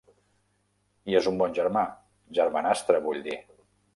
I és un bon germà: germanastre, vull dir.